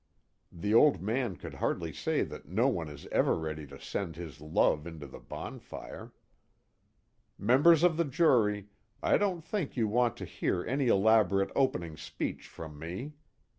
The Old Man could hardly say that no one is ever ready to send his love into the bonfire. "Members of the jury, I don't think you want to hear any elaborate opening speech from me.